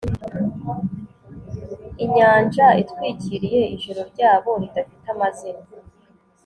inyanja itwikiriye ijoro ryabo ridafite amazina